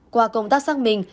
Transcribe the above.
qua công tác xác minh